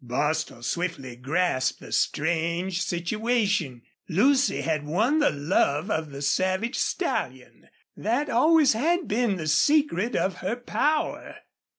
Bostil swiftly grasped the strange situation. Lucy had won the love of the savage stallion. That always had been the secret of her power.